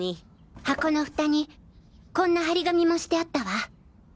箱のフタにこんな貼り紙もしてあったわ。